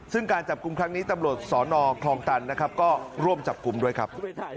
ซึ่งการจับกลุ่มครั้งนี้ตำรวจสนคลองตันนะครับก็ร่วมจับกลุ่มด้วยครับ